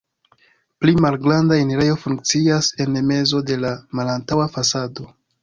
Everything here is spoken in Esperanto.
Pli malgranda enirejo funkcias en mezo de la malantaŭa fasado.